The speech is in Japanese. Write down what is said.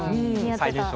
最年少。